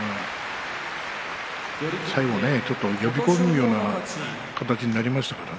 最後、呼び込むような形になりましたね。